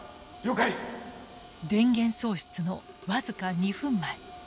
電源喪失の僅か２分前。